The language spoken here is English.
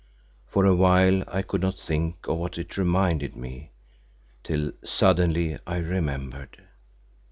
For a while I could not think of what it reminded me, till suddenly I remembered.